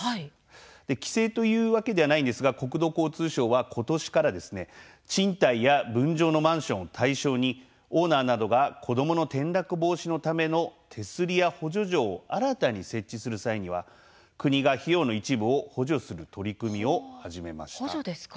規制というわけではないんですが国土交通省は、ことしから賃貸や分譲のマンションを対象にオーナーなどが子どもの転落防止のための手すりや補助錠を新たに設置する際には国が費用の一部を補助する取り組みを始めました。